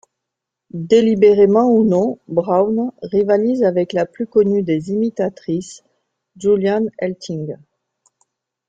Délibérément ou non, Browne rivalise avec la plus connue des imitatrices, Julian Eltinge.